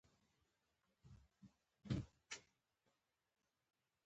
څنګه کولی شم د کتاب لوستلو عادت جوړ کړم